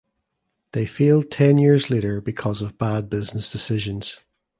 They failed ten years later because of bad business decisions.